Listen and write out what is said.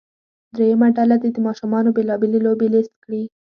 دریمه ډله دې د ماشومانو بیلا بېلې لوبې لیست کړي.